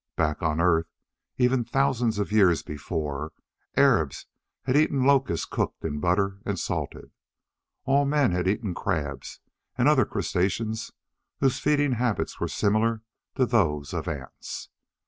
Back on Earth, even thousands of years before, Arabs had eaten locusts cooked in butter and salted. All men had eaten crabs and other crustaceans, whose feeding habits were similar to those of ants.